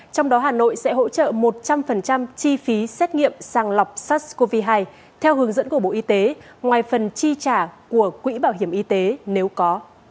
trong đó hà nội sẽ hỗ trợ một trăm linh chi phí xét nghiệm sàng lọc sars cov hai theo hướng dẫn của bộ y tế ngoài phần chi trả của quỹ bảo hiểm y tế nếu có